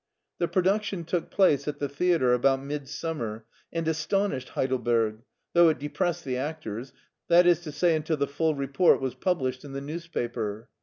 The production took place at the theater about midsummer and astonished Heidelberg, though it depressed the actors, that is to say until the full report was published in the newspaper.